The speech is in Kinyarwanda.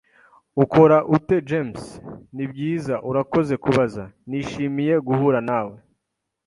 "Ukora ute, James?" "Nibyiza, urakoze kubaza. Nishimiye guhura nawe."